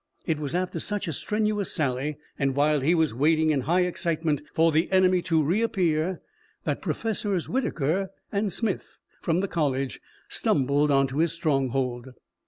It was after such a strenuous sally and while he was waiting in high excitement for the enemy to reappear that Professors Whitaker and Smith from the college stumbled on his stronghold.